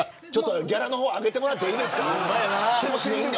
ギャラの方上げてもらっていいですか。